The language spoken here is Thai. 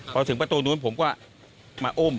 พอถึงประตูนู้นผมก็มาอุ้ม